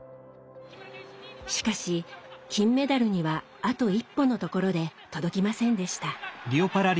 しかし金メダルにはあと一歩のところで届きませんでした。